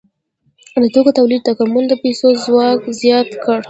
د توکو تولید تکامل د پیسو ځواک زیات کړ.